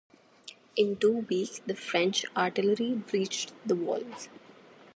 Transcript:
In two weeks the French artillery breached the walls.